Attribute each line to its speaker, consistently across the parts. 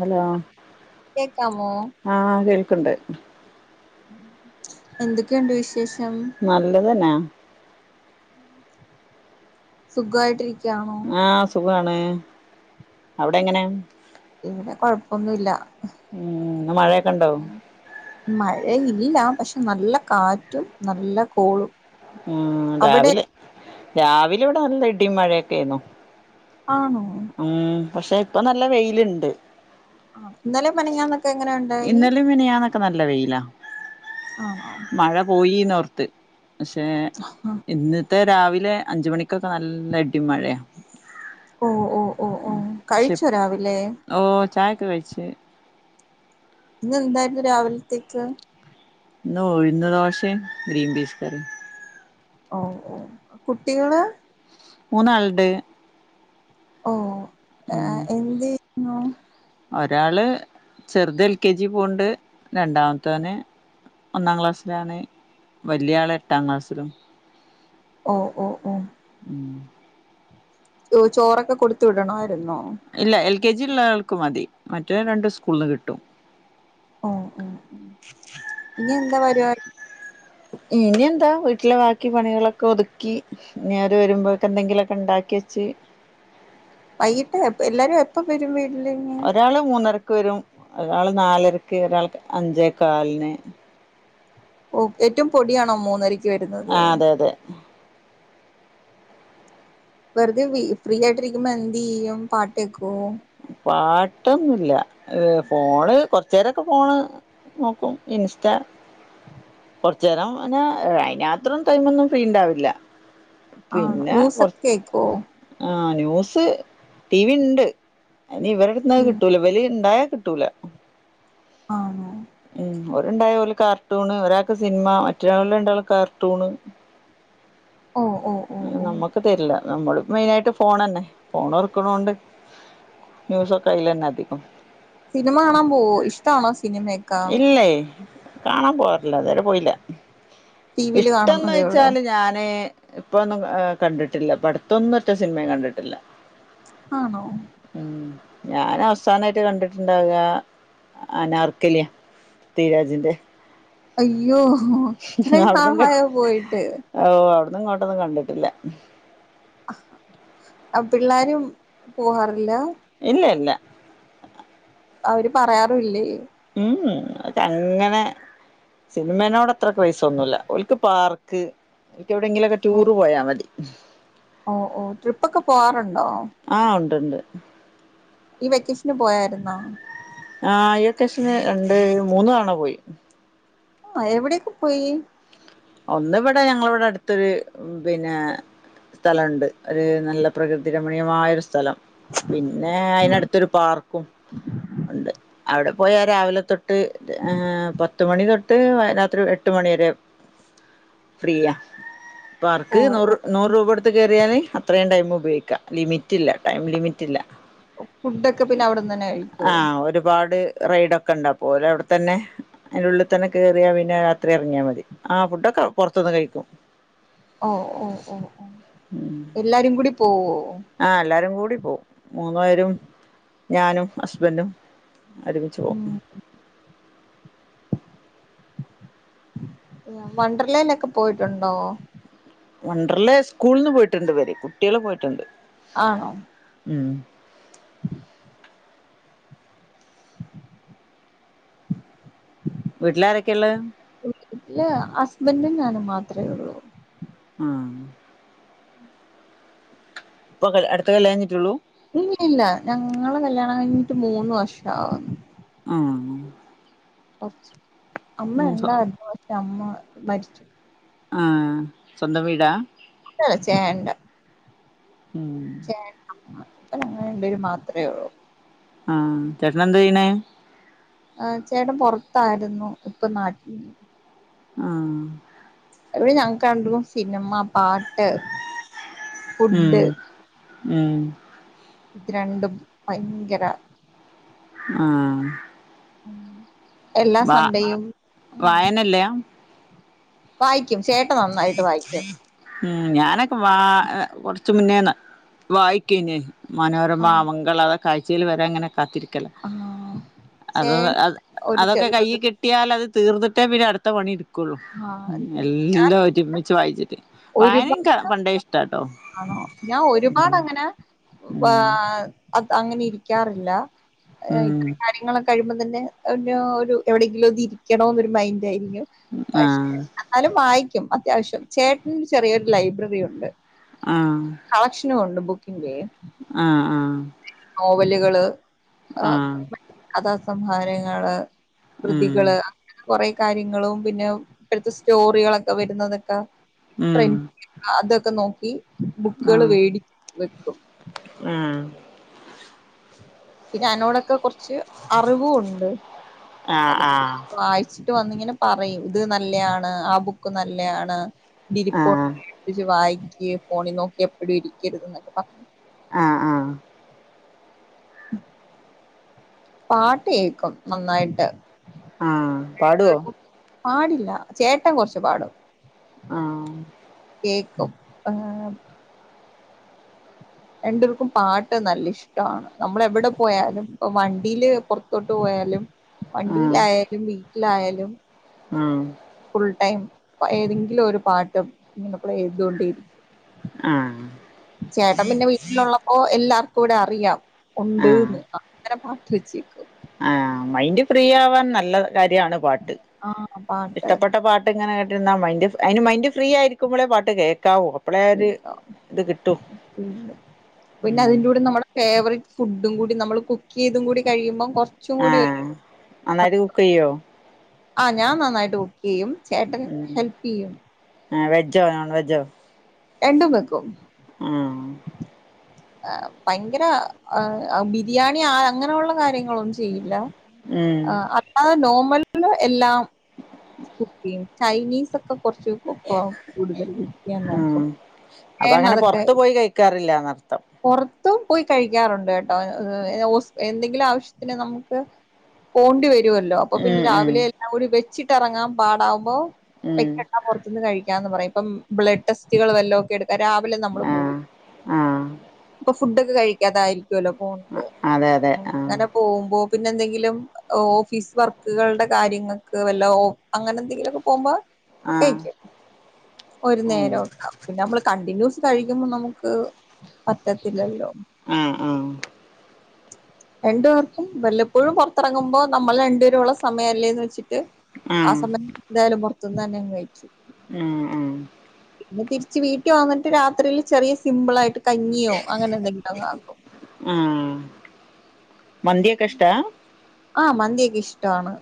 Speaker 1: Hello.
Speaker 2: കേക്കാമോ?
Speaker 1: ആഹ് കേൾക്ക്ണ്ട്.
Speaker 2: എന്തൊക്കെണ്ട് വിശേഷം.
Speaker 1: നല്ലതന്നെ
Speaker 2: സുഖായിട്ടിരിക്കാണോ?
Speaker 1: ആഹ്, സുഖാണ്, അവിടെങ്ങനെ?
Speaker 2: ഇവിടെ കൊഴപ്പൊന്നുല്ല.
Speaker 1: ഇന്ന് മഴയൊക്കെ ഉണ്ടോ
Speaker 2: ഉം, മഴയില്ല പക്ഷെ നല്ല കാറ്റും നല്ല കോളും.
Speaker 1: ഉം
Speaker 2: അവിടെ
Speaker 1: രാവിലെ രാവിലെ ഇവിടെ നല്ല ഇടിം മഴേക്കേര്ന്ന്.
Speaker 2: ആനോ?
Speaker 1: ഉം, പക്ഷേ ഇപ്പൊ നല്ല വെയില്ണ്ട്.
Speaker 2: ആഹ്, ഇന്നലേം മെനഞ്ഞാന്നു
Speaker 1: ഇന്നലെം മിനിയാന്നക്കെ നല്ല വെയിലാ,
Speaker 2: ആണോ
Speaker 1: മഴ പോയിന്നോർത്ത്. പക്ഷെ ഇന്നത്തെ രാവിലെ അഞ്ചുമണിക്കൊക്കെ നല്ല ഇടിം മഴയാ.
Speaker 2: ഓ ഓ ഓ ഓ
Speaker 1: ഉം ഷെ
Speaker 2: കഴിച്ചോ രാവിലെ
Speaker 1: ഓഹ് ചായക്കെകഴിച്ച്.
Speaker 2: ഇന്നെന്തായിര്ന്നു രാവിൽത്തേക്ക്?
Speaker 1: ഇന്നുഴുന്ന് ദോശേം ഗ്രീൻ പീസ് കറിം.
Speaker 2: ഓഹ് ഓഹ് കുട്ടികള്.
Speaker 1: മൂന്നാൾണ്ട്, ഉം.
Speaker 2: എന്തേ ക്ണു
Speaker 1: ഒരാള് ചെർതെൽ കെ ജി പോണ്ട്, രണ്ടാമത്തോന്. ഒന്നാം ക്ലാസ്സിലാണ്, വല്യാള് എട്ടാം ക്ലാസ്സിലും.
Speaker 2: ഓഹ് ഓഹ് ഓഹ്.
Speaker 1: ഉം
Speaker 2: ദോ ചോറൊക്കെ കൊടുത്ത് വിടണവായിര്ന്നോ?
Speaker 1: ഇല്ല എൽ കെ ജിള്ളാൾക്ക് മതി, മറ്റേ രണ്ട് സ്കൂൾന്ന് കിട്ടും.
Speaker 2: ഓഹ് ഓഹ്ഉം, ഇനിയെന്താ പരിപാ
Speaker 1: ഇനിയന്താ വീട്ടിലെ വാക്കി പണികളൊക്കെ ഒതുക്കി. ഞിവര് വരുമ്പോക്കെന്തെങ്കിലൊക്കെണ്ടാക്കിയെച്ച്.
Speaker 2: വൈയിട്ട് എപ് എല്ലാരും എപ്പം വരും വീട്ടിലിനി?
Speaker 1: ഒരാള് മൂന്നരക്ക് വരും. ഒരാള് നാലരക്ക്, ഒരാൾക്ക് അഞ്ചേ കാലിന്
Speaker 2: ഓ ഏറ്റൊം പൊടിയാണോ മൂന്നരക്ക് വരുന്നത്.
Speaker 1: അതേ
Speaker 2: വെറുതെ വി ഫ്രീയായിട്ടിരിക്കുമ്പ എന്തെയ്യും പാട്ട് കേക്കോ.
Speaker 1: പാട്ടൊന്നുല്ല. ഫോണ് കൊറച്ചേരൊക്കെ ഫോണ് നോക്കും ഇൻസ്റ്റാ കൊറച്ചേരം ന്നെ അയ്നാത്രം ടൈമൊന്നും ഫ്രീണ്ടാവില്ല.
Speaker 2: ആണോ
Speaker 1: പിന്നെ
Speaker 2: ന്യൂസൊക്കെ
Speaker 1: കൊറച്ച്
Speaker 2: കേക്കോ
Speaker 1: ആ ന്യൂസ് ടി വിണ്ട്. ഇനി ഇവരെടുത്തുന്നത്
Speaker 2: ഉം
Speaker 1: കിട്ടൂല ഇവല്ണ്ടായാ കിട്ടൂല
Speaker 2: ആണോ?.
Speaker 1: ഉം ഓരുണ്ടായ ഓല് കാർട്ടൂണ്, ഒരാക്ക് സിനിമ, മറ്റൊരാള് രണ്ടാളും കാർട്ടൂണ്.
Speaker 2: ഓ ഓ ഓ ഓ
Speaker 1: നമ്മക്ക് തരൂല്ല. നമ്മള് മെയിനായിട്ട് ഫോണ്ന്നെ. ഫോണൊറക്കണോണ്ട് ന്യൂസൊക്കെ അയ്ലന്നെ അധികം.
Speaker 2: സിനിമ കാണാൻ പോവൊ ഇഷ്ടാണോ? സിനിമയെ
Speaker 1: ഇല്ലേ കാണാൻ പോവാറില്ല അതുവരെ പോയില്ല.
Speaker 2: ടി വിൽ കാണുന്നതേ ഉള്ളൂ
Speaker 1: ഇഷ്ടംന്നൊയ്ച്ചാല് ഞാന് ഇപ്പൊന്നും കണ്ടിട്ടില്ല പടുത്തൊന്നും ഒറ്റ സിനിമയും കണ്ടിട്ടില്ല.
Speaker 2: ആണോ?
Speaker 1: ഉം ഞാൻ അവസാനായിട്ട് കണ്ടിട്ടുണ്ടാവുക അനാർ കില്യാ തീരാജിന്റെ
Speaker 2: അയ്യോ ഇത്രയും നാളായോ പോയിട്ട്.
Speaker 1: ഓഹ് അവിടെന്ന് ഇങ്ങോട്ടൊന്നും കണ്ടിട്ടില്ല.
Speaker 2: ആഹ് പിള്ളാരും പോവാറില്ല.
Speaker 1: ഇന്നല്ല
Speaker 2: അവര് പറയാറില്ലേ?
Speaker 1: ഉം ഉം അത് അങ്ങനെ സിനിമനോട് അത്ര ക്രൈസ് ഒന്നുമില്ല ഓൾക്ക് പാർക്ക് എനിക്ക് എവിടെങ്കിലുമൊക്കെ ടൂറ് പോയാ മതി.
Speaker 2: ഓഹ് ഓഹ് ട്രിപ്പ്ക്കെ പോവാറൊണ്ടോ?
Speaker 1: ആഹ് ഉണ്ടൊണ്ട്.
Speaker 2: ഈ വെക്കേഷന് പോയായിരുന്നോ?
Speaker 1: ആഹ് ഈ വെക്കേഷന് രണ്ട് മൂന്ന് തവണ പോയി.
Speaker 2: ആഹ് എവിടെയെക്കെ പോയി.
Speaker 1: ഒന്ന് ഇവിടെ ഞങ്ങളിവിടെ അടുത്തൊരു പിന്നെ സ്ഥലം ഒണ്ട് ഒരു നല്ല പ്രകൃതി രമണീയമായാ ഒരു സ്ഥലം. പിന്നെ അയിന് അടുത്തൊരു പാർക്കും ഒണ്ട് അവിടെ പോയാൽ രാവിലെ തൊട്ട് ഏഹ് പത്തുമണി തൊട്ട് രാത്രി എട്ട് മണി വരെ ഫ്രീയ
Speaker 2: ഓ
Speaker 1: പാർക്ക്
Speaker 2: ഓ
Speaker 1: നൂറ് നൂറ് രൂപ കൊടുത്ത് കേറിയാല് അത്രയും ടൈം ഉപയോഗിക്കാം. ലിമിറ്റില്ല ടൈം ലിമിറ്റില്ല.
Speaker 2: ഫുഡ് ഒക്കെ പിന്നെ അവിടെന്ന് തന്നെ
Speaker 1: ആ
Speaker 2: കഴിക്കുവോ
Speaker 1: ഒരുപാട് റൈയ്ഡ് ഒക്കെ ഒണ്ടോ പോലെ അവിടെത്തന്നെ അതിന്റെ ഉള്ളിൽ തന്നെ കേറിയാ പിന്നെ രാത്രി ഇറങ്ങിയാ മതി ആഹ് ഫുഡൊക്കെ പെറത്തുന്ന് കഴിക്കും.
Speaker 2: ഓഹ് ഓഹ് ഓഹ് ഓഹ് എല്ലാരും കൂടി പോവുവോ?
Speaker 1: ആഹ് എല്ലാരും കൂടി പോവും മൂന്നു പേരും ഞാനും ഹസ്ബന്റും ഒരുമിച്ചു
Speaker 2: ഉം
Speaker 1: പോവും
Speaker 2: വണ്ടർലാ ഒക്കെ പോയിട്ടുണ്ടോ?
Speaker 1: വണ്ടർലാ സ്കൂളിൽ നിന്ന് പോയിട്ടുണ്ട് ഇവരെ കുട്ടികളെ പോയിട്ടുണ്ട്.
Speaker 2: ആണോ?
Speaker 1: ഉം വീട്ടിലാരൊക്കെയാ ഉള്ളെ
Speaker 2: വീട്ടില് ഹുസ്‌ബൻഡും ഞാനും മാത്രമേ ഉള്ളൂ
Speaker 1: ഉം ഇപ്പൊ അടുത്ത കല്യാണം കഴിഞ്ഞിട്ടേള്ളൂ
Speaker 2: ഇല്ല ഇല്ല ഞങ്ങളെ കല്യാണം കഴിഞ്ഞിട്ട് മൂന്ന് വർഷം ആകുന്നു
Speaker 1: ഉം
Speaker 2: അമ്മ
Speaker 1: ഉം
Speaker 2: ഒണ്ടായിരുന്നു പക്ഷെ അമ്മ മരിച്ചു
Speaker 1: ആഹ് സ്വന്തം വീടാ
Speaker 2: എന്റെ അല്ല ചേട്ടന്റെ
Speaker 1: ഉം
Speaker 2: ചേട്ടനും ഞങ്ങൾ രണ്ടു പേരും മാത്രമേ ഉള്ളൂ
Speaker 1: ആഹ് ചേട്ടൻ എന്താ ചെയ്യണേ
Speaker 2: ആഹ് ചേട്ടൻ പെറത്തായിരുന്നു ഇപ്പൊ നാട്ടിൽ
Speaker 1: ആഹ്
Speaker 2: ഇവിടെ ഞങ്ങക്ക് രണ്ടും സിനിമ പാട്ട് ഫുഡ്
Speaker 1: ഉം ഉം
Speaker 2: ഇത് രണ്ടും ഭയങ്കര
Speaker 1: ആഹ്
Speaker 2: ഉം എല്ലാ സൺഡേയും ഉം
Speaker 1: വായന ഇല്ല
Speaker 2: വായിക്കും ചേട്ടൻ നന്നായിട്ട് വായിക്കും
Speaker 1: [unintelligible] ഉം ഞാനൊക്കെ വാ കൊറച്ച് മുന്നേ വായിക്കേനി മനോരമ
Speaker 2: ആഹ്
Speaker 1: മംഗളം അതൊക്കെ ആഴ്ചയിൽ വരാൻ ഇങ്ങനെ കാത്തിരിക്കും ക്കല
Speaker 2: ആഹ് ചേട്ടൻ
Speaker 1: അത്‌
Speaker 2: ഒരു
Speaker 1: അതൊക്കെ
Speaker 2: ചെറിയൊരു
Speaker 1: കയ്യിൽ കിട്ടി കിട്ടിയാൽ അത് തീർന്നിട്ടേ പിന്നെ അടുത്ത പണി ഇടുക്കുള്ളൂ
Speaker 2: ആഹ് ഞാൻ
Speaker 1: എല്ലാം ഒരുമിച്ച് വായിച്ചിട്ട് വായന
Speaker 2: ഒരുപാടാണോ
Speaker 1: ഇന്ക്ക് പണ്ടേ ഇഷ്ടാട്ടോ
Speaker 2: ഞാൻ ഒരുപാട് അങ്ങനെ
Speaker 1: ഉം
Speaker 2: അങ്ങനെ ഇരിക്കാറില്ല
Speaker 1: ഉം
Speaker 2: ഇത്രേം കാര്യങ്ങളൊക്കെ കഴിയുമ്പം തന്നെ ന്നോ ഒരു എവിടെയെങ്കിലും ഒന്ന് ഇരിക്കണംന്നൊരു മൈൻഡ് ആയിരിക്കും പക്ഷെ
Speaker 1: ആഹ്
Speaker 2: എന്നാലും വായിക്കും അത്യാവശ്യം ചേട്ടന് ചെറിയൊരു ലൈബ്രറി ഉണ്ട്
Speaker 1: ആഹ്
Speaker 2: കളക്ഷനുംണ്ട് ബുക്കിന്റെ
Speaker 1: ആഹ് ആഹ്
Speaker 2: നോവലുകള് ആ
Speaker 1: ആഹ്
Speaker 2: മറ്റ് കഥാസംഹാരങ്ങള്
Speaker 1: ഉം
Speaker 2: കൃതികള് കുറേ കാര്യങ്ങളും പിന്നെ ഇപ്പോഴത്തെ സ്റ്റോറികളൊക്കെ വരുന്നതൊക്കെ
Speaker 1: ഉം
Speaker 2: ട്രെൻന്റിഗ് അതൊക്കെ നോക്കി ബുക്കുകൾ വേടിച്ചു വെക്കും
Speaker 1: ആഹ്
Speaker 2: പിന്നെ അനോടൊക്കെ കുറച്ച് അറിവുണ്ട്
Speaker 1: ആഹ്
Speaker 2: അത്
Speaker 1: ആഹ് ആഹ്
Speaker 2: വായി ച്ചിട്ട് വന്നിങ്ങനെ പറയും ഇത് നല്ലയാണ് ആ ബുക്ക് നല്ലയാണ്
Speaker 1: ആഹ്
Speaker 2: [unintelligible] വായിക്കി ഫോണിൽ നോക്കി എപ്പോഴും ഇരിക്കരുത് എന്നൊക്കെ പറഞ്ഞ്
Speaker 1: ആഹ് ആഹ്
Speaker 2: പാട്ട് കേക്കും നന്നായിട്ട്
Speaker 1: ആഹ് പാടോ
Speaker 2: പാടില്ല ചേട്ടൻ കൊറച്ച് പാടും
Speaker 1: ആഹ്
Speaker 2: കേക്കും ഏഹ് രണ്ടുപേർക്കും പാട്ട് നല്ല ഇഷ്ടമാണ് നമ്മൾ എവിടെ പോയാലും ഇപ്പൊ വണ്ടിയില് പുറത്തോട്ട് പോയാലും
Speaker 1: ആഹ്
Speaker 2: വണ്ടീലായാലും വീട്ടിലായാലും
Speaker 1: ആഹ്
Speaker 2: ഫുൾ ടൈം ഏതെങ്കിലും ഒരു പാട്ട് ഇങ്ങനെ പ്ലേ ചെയ്തോണ്ടേ ഇരി
Speaker 1: ആഹ്
Speaker 2: ചേട്ടൻ പിന്നെ വീട്ടിലുള്ളപ്പോ എല്ലാർക്കും ഇവിടെ അറിയാം
Speaker 1: ആഹ്
Speaker 2: ഉണ്ട്ന്ന് അങ്ങനെ പാട്ട് വെച്ചേക്കും
Speaker 1: ആഹ് മൈൻഡ് ഫ്രീ ആവാൻ നല്ല കാര്യാണ് പാട്ട്
Speaker 2: ആഹ് പാട്ട്
Speaker 1: ഇഷ്ടപ്പെട്ട പാ ട്ട് ഇങ്ങനെ കേട്ട്ന്ന അയിന് മൈഡ് ഫ്രീ ആയിരിക്കുമ്പളേ പാട്ട് കേക്കാവു
Speaker 2: പിന്നെ
Speaker 1: ഉം
Speaker 2: അതിന്റെ കൂടെ നമ്മള് ഫേവററ്റ് ഫുഡും കൂടി നമ്മൾ കുക്ക് ചെയ്തും കൂടി കഴിക്ക്മ്പൊ കൊറ
Speaker 1: ആഹ് നന്നായിട്ട് കുക്ക് ചെയ്യോ
Speaker 2: ആഹ് ഞാൻ നന്നായിട്ട് കുക്ക് ചെയ്യും ചേട്ടൻ ഹെൽപ് ചെയ്യും
Speaker 1: ആഹ് വെജോ നോൺ വെജ്ജോ
Speaker 2: രണ്ടും വെക്കും
Speaker 1: ആഹ്
Speaker 2: ഭയങ്കര ആഹ് ബിരിയാണി ആ അങ്ങനെയുള്ള കാര്യ ങ്ങളൊന്നും ചെയ്യില
Speaker 1: ഉം
Speaker 2: ആഹ് നോർമല് എല്ലാം കുക്ക് ചെയ്യും ചൈനീസ് ഒക്കെ കുറച്ച് കൊക്കൊ കൂടുതൽ കുക്ക് ചെയ്യാൻ നോക്കും
Speaker 1: ഉം
Speaker 2: ഏട്ടനതൊക്കെ
Speaker 1: റില്ലന്നർത്ഥം
Speaker 2: പുറത്ത് പോയി കഴിക്കാറുണ്ട്ട്ടോ എന്തെങ്കിലും ആവശ്യത്തിന് നമുക്ക് പോണ്ടി വരുമല്ലോ അപ്പൊ പിന്നെ
Speaker 1: ഉം ഉം
Speaker 2: രാവിലെ എല്ലാം കൂടി വെച്ചിട്ട് ഇറങ്ങാൻ പാടാവുമ്പോ
Speaker 1: ഉം
Speaker 2: വെക്കണ്ടറ ന്ന് കഴിക്കാന്ന് പറയാ ഇപ്പം ബ്ലഡ് ടെസ്റ്റുകൾ വല്ലതൊക്കെ എടുക്ക രാവിലെ നമ്മള് പോകും.
Speaker 1: ആഹ്
Speaker 2: ഫുഡഒക്കെ കഴിക്കാതായിരിക്കുവല്ലോ പോകുന്നത്
Speaker 1: അതെ അതെ ആ
Speaker 2: അങ്ങനെ പോകുമ്പോ പിന്നെ എന്തെങ്കിലും ഓഫീസ് വർക്കുകളുടെ കാര്യങ്ങൾക്ക് വല്ല അങ്ങനെ എന്തെങ്കിലു ഒക്കെ പോകുമ്പോ
Speaker 1: ആ
Speaker 2: കഴിക്കും ഒരു
Speaker 1: ഉം
Speaker 2: നേരക്ക പിന്നെ നമ്മള് കണ്ടിന്യൂസ് കഴിക്കുമ്പോൾ നമുക്ക് പറ്റത്തില്ലല്ലോ.
Speaker 1: ആഹ് ആഹ്
Speaker 2: [inaudible] രണ്ടു പേർക്കും വല്ലപ്പോഴും പുറത്തിറങ്ങുമ്പോ നമ്മൾ രണ്ടുപേരുള്ള സമയം അല്ലേന്ന് വെച്ചിട്ട്
Speaker 1: ആ
Speaker 2: ആഹ് സമയം എന്തായാലും പുറത്തുന്ന് തന്നെ കഴിക്കും.
Speaker 1: ഉം ഉം
Speaker 2: പിന്നെ തിരിച്ച് വീട്ടിൽ വന്നിട്ട് രാത്രിൽ ചെറിയ സിമ്പിൾ ആയിട്ട് കഞ്ഞിയോ അങ്ങനെ എന്തെങ്കിലും അങ്ങ് ആക്കും.
Speaker 1: ആഹ് മന്തിയൊക്കെ ഇഷ്ട?
Speaker 2: ആഹ് മന്തിയൊക്കെ ഇഷ്ടാണ്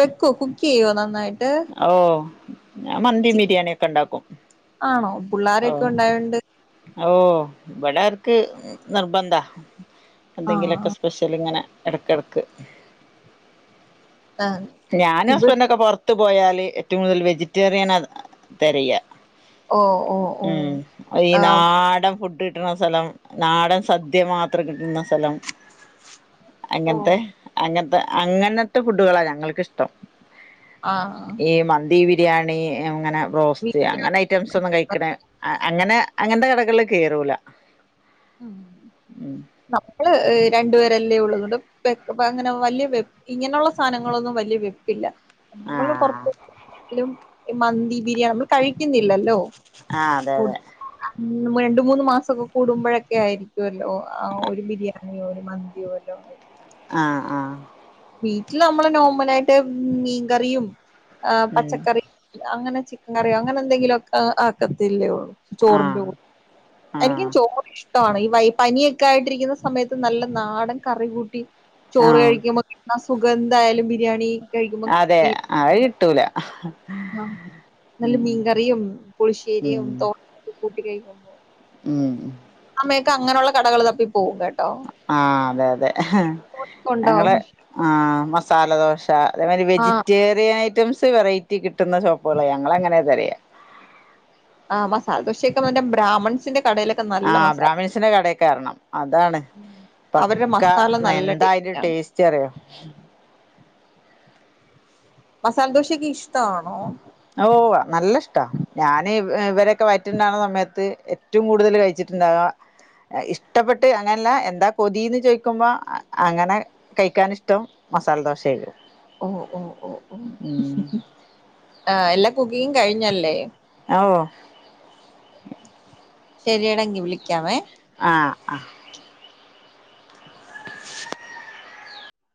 Speaker 2: വെക്കോ കുക്ക് ചെയ്യോ നന്നായിട്ട്?
Speaker 1: ഓഹ് ഞാൻ മന്തി
Speaker 2: ചി
Speaker 1: ബിരിയാണിക്കെ ഉണ്ടാക്കും
Speaker 2: ആണോ പിള്ളോരൊക്കെ
Speaker 1: ഓഹ്
Speaker 2: ഉണ്ടായോണ്ട്
Speaker 1: ഓഹ് വിടെർക്ക് നിർബന്ധാ
Speaker 2: ആ ആ
Speaker 1: എന്തെങ്കിലുമൊക്കെ സ്പെഷ്യൽ ഇങ്ങനെ ഇടക്കിടക്ക്.
Speaker 2: ആഹ്
Speaker 1: ഞാനും
Speaker 2: ഇവി
Speaker 1: ഹസ്ബൻഡ്ക്കെ പുറത്ത് പോയാല് ഏറ്റവും കൂടുതൽ വെജിറ്റേറിയൻ തിരയ
Speaker 2: ഓ ഓ ഓ
Speaker 1: ഉം ഈ
Speaker 2: ആഹ്
Speaker 1: നാടൻ ഫുഡ ഡ് കിട്ടുന്ന സ്ഥലം നാടൻ സദ്യ മാത്രം കിട്ടുന്ന സ്ഥലം അങ്ങനത്തെ അങ്ങനത്തെ അങ്ങനത്തെ ഫുഡുകളാണ് ഞങ്ങൾക്കിഷ്ടം.
Speaker 2: ആഹ്
Speaker 1: ഈ മന്തി ബിരിയാണി അങ്ങനെ റോസ്റ്റ്
Speaker 2: വീട്ടില്
Speaker 1: അങ്ങനെ ഐറ്റംസ് ഒന്നും കഴിക്കണ ആ അങ്ങനെ അങ്ങന്റെ കടകളിൽ കേറൂല
Speaker 2: ഉം
Speaker 1: ഉം
Speaker 2: നമ്മള് രണ്ടുപേരെല്ലേ ഉള്ള അങ്ങനെ വല്യ ഇങ്ങനെയുള്ള സാധനങ്ങളൊന്നും വലിയ വെപ്പില്ല. നമ്മള്
Speaker 1: ആഹ്
Speaker 2: പുറത്തും മന്തി ബിരിയാണി നമ്മള് കഴിക്കുന്നില്ലല്ലോ.
Speaker 1: ആഹ് അതെ അതെ
Speaker 2: രണ്ട് മൂന്ന് മാസമൊക്കെ കൂടുമ്പോഴൊക്കെ ആയിരിക്കുമല്ലോ ആഹ് ഒരു ബിരിയാണിയോ ഒരു മന്തിയോ എല്ലാം ആഹ്
Speaker 1: ആഹ് ആഹ്
Speaker 2: വീട്ടിൽ നമ്മള് നോർമല ആയിട്ട് മീൻകറിയും ഏഹ്
Speaker 1: ഉം
Speaker 2: പച്ചക്കറിയും. അങ്ങനെ ചിക്കൻ കറിയോ അങ്ങനെ എന്തെങ്കിലും ഒക്കെ ആക്കത്തില്ലേള്ളൂ ചോറിന്റെ
Speaker 1: ആഹ്
Speaker 2: കൂടെ. എനിക്കും
Speaker 1: ആഹ്
Speaker 2: ചോ റ് ഇഷ്ട പനിയൊക്കെ ആയിട്ടിരിക്കുന്ന സമയത്ത് നല്ല നാടൻ കറി കൂട്ടി. ചോറ്
Speaker 1: ആഹ്
Speaker 2: കഴിക്കുമ്പോ കിട്ടന്നസുഖം എന്തായാലും ബിരിയാണി കഴിക്കുമ്പോ
Speaker 1: ആഹ് കിട്ടൂല
Speaker 2: ആഹ് നല്ല
Speaker 1: ഉം
Speaker 2: മീൻകറിയും പുളിശ്ശേരിയും തോ കൂട്ടി കഴിക്കുമ്പോ
Speaker 1: ഉം ഉം
Speaker 2: അമ്മയൊക്ക അങ്ങനെയുള്ള കടകൾ തപ്പി പോവ കേ
Speaker 1: ആഹ് അതെ അതെ
Speaker 2: ഉണ്ടാവും
Speaker 1: ഞങ്ങള് ആഹ് മസാല ദോശ അതേമാതിരി
Speaker 2: ആഹ്
Speaker 1: വെജിറ്റേറിയൻ ഐറ്റംസ് വെറൈറ്റി കിട്ടുന്ന ഷോപ്പുകളാണ് ഞങ്ങൾ അങ്ങനെതെരെയ
Speaker 2: ആഹ് മസാലദോശയൊക്കെ ബ്രാഹ്മൺസിന്റെ കടയി
Speaker 1: ആഹ് ബ്രാഹ്മിൺസിന്റെ കടൊക്കെ കയറണം അതാണ്.
Speaker 2: അവരുടെ
Speaker 1: പക്ക
Speaker 2: മസാല നല്ല
Speaker 1: എന്താ അതിന്റെ
Speaker 2: ടേസ്റ്റാണ്
Speaker 1: ടേസ്റ്റ് അറിയോ.
Speaker 2: മസാലദോശയൊക്കെ ഇഷ്ടവാണോ
Speaker 1: ഓ ആഹ് നല്ല ഇഷ്ടവാ ഞാന് ഇവരൊക്കെ വയറ്റിലുണ്ടാകണ സമയത്ത് ഏറ്റവും കൂടുതൽ കഴിച്ചിട്ടുണ്ടാവ ഇഷ്ടപ്പെട്ട് അങ്ങനല്ല എന്താ കൊതീന്ന് ചോയ്ക്കുമ്പോ അങ്ങനെ കഴിക്കാനിഷ്ടം മസാലദോശ
Speaker 2: ഓ ഓ ഓ ഓ ആ എല്ലാ കുക്കിംഗും കഴിഞ്ഞല്ലേ
Speaker 1: ഓ
Speaker 2: ശരിയടാ എങ്കിൽ വിളിക്കാവേ
Speaker 1: ആഹ് ആഹ്